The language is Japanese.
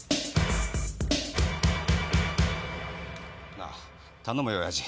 なあ、頼むよ親父